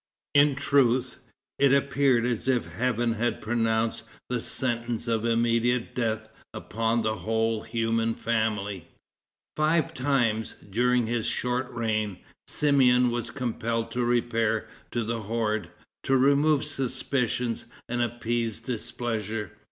It truth, it appeared as if Heaven had pronounced the sentence of immediate death upon the whole human family. Five times, during his short reign, Simeon was compelled to repair to the horde, to remove suspicions and appease displeasure.